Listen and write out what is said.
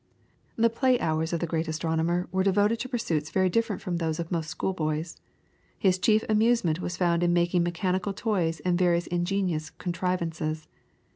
The play hours of the great philosopher were devoted to pursuits very different from those of most school boys. His chief amusement was found in making mechanical toys and various ingenious contrivances.